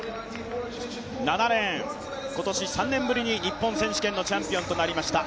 ７レーン、今年３年ぶりに日本選手権のチャンピオンとなりました